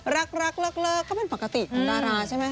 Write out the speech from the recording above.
รักเลิกก็เป็นปกติของดาราใช่ไหม